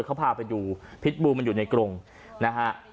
เขาพาไปดูพิษบูมันอยู่ในกรงนะฮะ